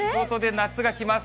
夏が来ます。